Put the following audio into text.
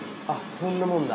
そんなもんだ。